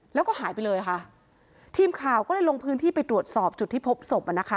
แล้วก็หายไปเลยค่ะทีมข่าวก็เลยลงพื้นที่ไปตรวจสอบจุดที่พบศพอ่ะนะคะ